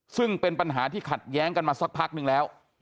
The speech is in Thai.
ซึ่งเป็นปัญหาที่ขัดแย้งกันมาสักพักนึงแล้ว